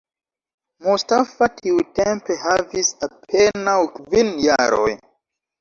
Mustafa tiutempe havis apenaŭ kvin jaroj.